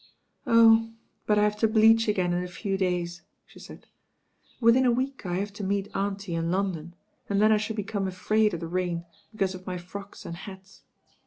"Oh ; but I have to bleach again in a few days," she said. "Within a week I have to meet auntie in London, and then I shall become afraid of the rain because of my frocks and hats."